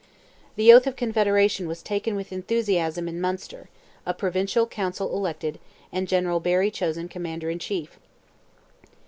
The oath of Confederation was taken with enthusiasm in Munster, a Provincial Council elected, and General Barry chosen Commander in Chief.